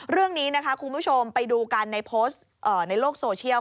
เรื่องนี้นะคะคุณผู้ชมไปดูกันในโพสต์ในโลกโซเชียล